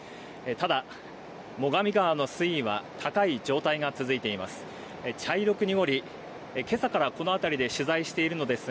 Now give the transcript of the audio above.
ただ、最上川の水位は高い状態が続いています。